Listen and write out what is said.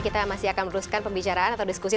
kita masih akan meluruskan pembicaraan atau diskusi